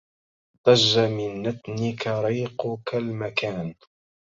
ضج من نتن ريقك المكان